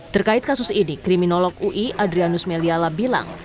terkait kasus ini kriminolog ui adrianus meliala bilang